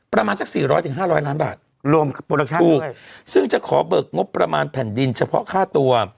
ประมาณ๔๐๐๕๐๐ล้านบาทถูกซึ่งจะขอเบิกงบประมาณแผ่นดินเฉพาะค่าตัว